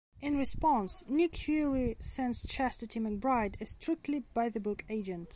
In response, Nick Fury sends Chastity McBryde, a strictly by-the-book agent.